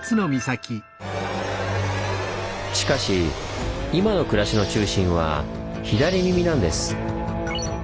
しかし今の暮らしの中心は「左耳」なんです。